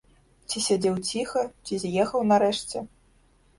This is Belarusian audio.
Ці сядзеў ціха, ці з'ехаў нарэшце.